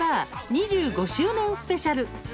２５周年スペシャル」。